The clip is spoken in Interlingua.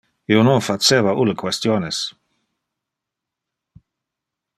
Io non faceva ulle questiones.